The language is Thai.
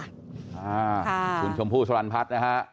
คุณชมผู้สวรรพัฒน์นะคะ